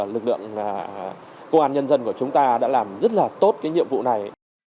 lực lượng công an nhân dân của chúng ta đã làm rất là tốt cái nhiệm vụ này